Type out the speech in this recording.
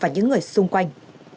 những người xung quanh